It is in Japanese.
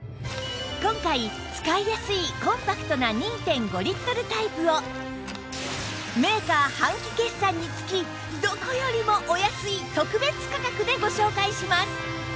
今回使いやすいコンパクトな ２．５ リットルタイプをメーカー半期決算につきどこよりもお安い特別価格でご紹介します！